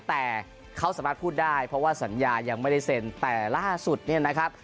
แต่เขาสามารถพูดได้เพราะว่าสัญญายังไม่ได้เซ็นแต่ล่าสุดเนี่ยนะครับ